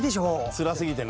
つらすぎてね。